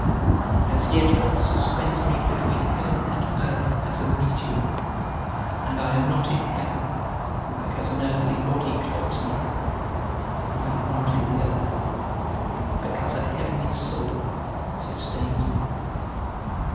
As yet God suspends me between heaven and earth, as a meteor; and I am not in heaven because an earthly body clogs me, and I am not in the earth because a heavenly soul sustains me.